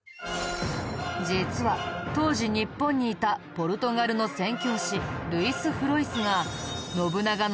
実は当時日本にいたポルトガルの宣教師ルイス・フロイスが。